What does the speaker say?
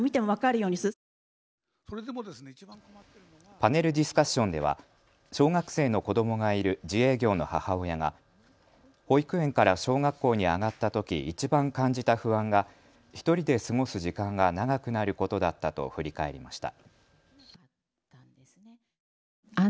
パネルディスカッションでは小学生の子どもがいる自営業の母親が保育園から小学校に上がったときいちばん感じた不安が１人で過ごす時間が長くなることだったと振り返りました。